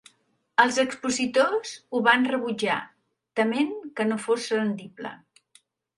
Els expositors ho van rebutjar, tement que no fos rendible.